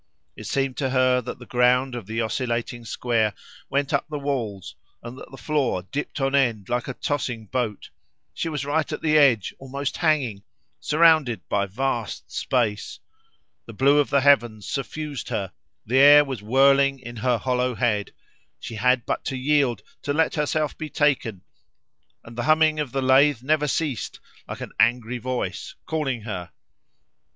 It seemed to her that the ground of the oscillating square went up the walls and that the floor dipped on end like a tossing boat. She was right at the edge, almost hanging, surrounded by vast space. The blue of the heavens suffused her, the air was whirling in her hollow head; she had but to yield, to let herself be taken; and the humming of the lathe never ceased, like an angry voice calling her.